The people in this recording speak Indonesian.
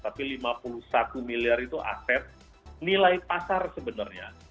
tapi lima puluh satu miliar itu aset nilai pasar sebenarnya